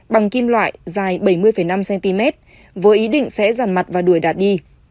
bằng kim loại dài bảy mươi năm cm với ý định sẽ dàn mặt và đuổi đạt đi